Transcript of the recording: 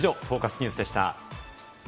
ニュースでした。